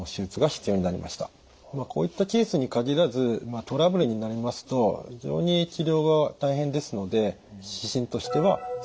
こういったケースに限らずトラブルになりますと非常に治療が大変ですので指針としては△。